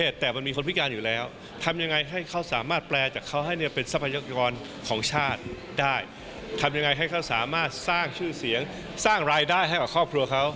สวัสดีครับ